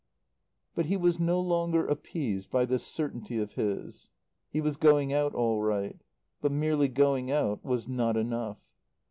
But he was no longer appeased by this certainty of his. He was going out all right. But merely going out was not enough.